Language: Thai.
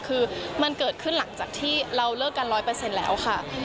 คือมันเกิดขึ้นหลังจากที่เราเลิกกัน๑๐๐แล้วค่ะ